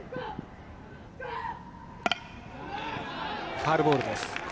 ファウルボールです。